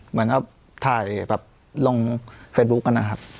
เหมือนเอาถ่ายแบบลงเฟซบุ๊คกันนะครับ